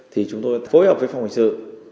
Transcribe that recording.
thì chúng tôi phối hợp với phòng hành sự